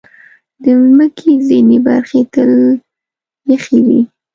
د مځکې ځینې برخې تل یخې وي.